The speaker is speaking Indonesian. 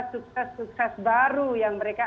sukses sukses baru yang mereka